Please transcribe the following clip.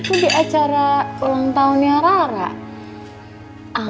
terima kasih rara patronit caru percaya wow